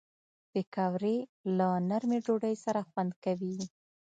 پکورې له نرمې ډوډۍ سره خوند کوي